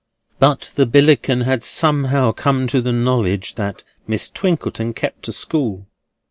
But the Billickin had somehow come to the knowledge that Miss Twinkleton kept a school.